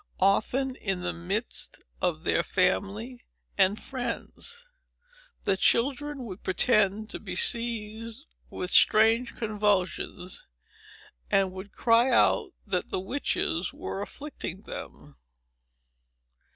Often, in the midst of their family and friends, the children would pretend to be seized with strange convulsions, and would cry out that the witches were afflicting them.